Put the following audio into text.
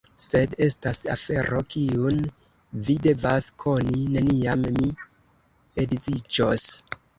Sed estas afero, kiun vi devas koni: neniam mi edziĝos.